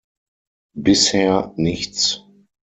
Bisher nichts.